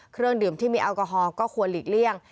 เครื่องดื่มที่มีแอลกอฮอลก็ควรหลีกเลี่ยง